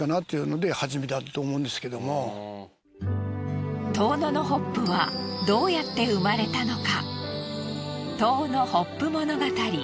やっぱり遠野のホップはどうやって生まれたのか。